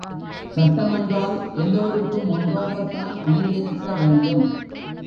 சட்டமென்றால் எல்லோருக்கும் ஒன்றாகத்தான் அமைந்திருக்க வேண்டும்.